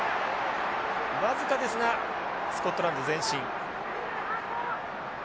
僅かですがスコットランド前進。